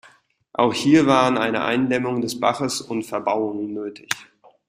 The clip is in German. Auch hier waren eine Eindämmung des Baches und Verbauungen nötig.